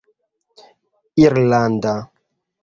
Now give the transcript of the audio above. irlanda